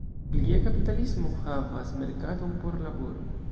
Plie, kapitalismo havas merkaton por laboro.